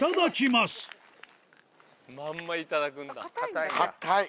まんまいただくんだ。